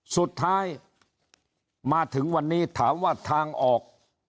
สุดท้ายมาถึงวันนี้ถามว่าทางออก